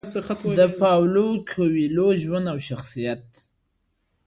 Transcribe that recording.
د پاولو کویلیو ژوند او شخصیت: